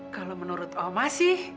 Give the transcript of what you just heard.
kalau menurut oma sih